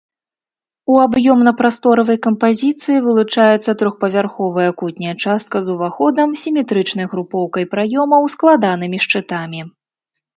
У аб'ёмна-прасторавай кампазіцыі вылучаецца трохпавярховая кутняя частка з уваходам, сіметрычнай групоўкай праёмаў, складанымі шчытамі.